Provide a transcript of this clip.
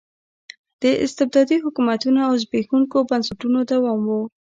د استبدادي حکومتونو او زبېښونکو بنسټونو دوام و.